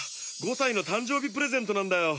５さいのたんじょうびプレゼントなんだよ！